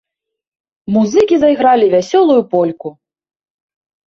Музыкі зайгралі вясёлую польку.